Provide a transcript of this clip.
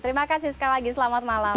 terima kasih sekali lagi selamat malam